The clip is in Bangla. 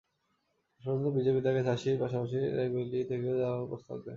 শেষ পর্যন্ত বিজেপি তাঁকে ঝাঁসির পাশাপাশি রায়বেরিলি থেকেও দাঁড়ানোরও প্রস্তাব দেয়।